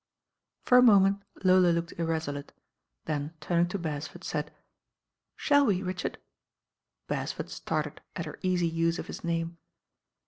For a moment Lola looked irresolute, then turn ing to Beresford, said — "Shall we, Richard?" Beresford started at her easy use of his name.